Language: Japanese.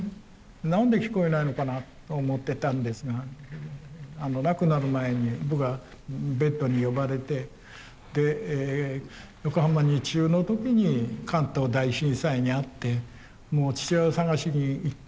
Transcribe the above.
何で聞こえないのかなと思ってたんですが亡くなる前に僕はベッドに呼ばれてで横浜二中の時に関東大震災に遭って父親を捜しに行った。